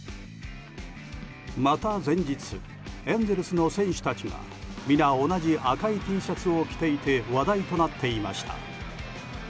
また前日エンゼルスの選手たちが皆、同じ赤いＴシャツを着ていて話題となっていました。